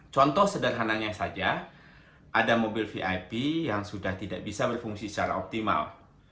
contoh sederhananya saja ada mobil vip yang sudah tidak bisa berfungsi secara optimal